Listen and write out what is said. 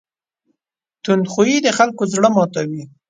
تند خوی د خلکو زړه ماتوي.